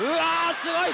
すごい！